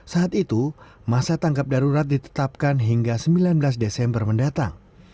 saat itu masa tangkap darurat ditetapkan hingga sembilan belas desember mendatang